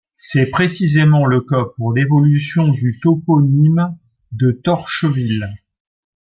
C'est précisément le cas pour l'évolution du toponyme de Torcheville.